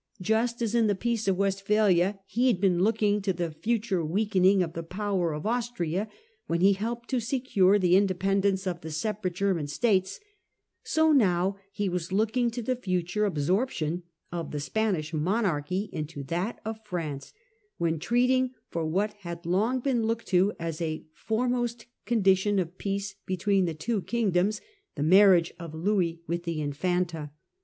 Just as in the The Spanish Peace of Westphalia he had been looking to marriage. the future weakening of the power of Austria when he helped to secure the independence of the sepa rate German States, so now he was iooking to the future absorption of the Spanish monarchy into that of France, when treating for what had long been looked to as a fore most condition of peace between the two kingdoms, the marriage of Louis with the Infanta.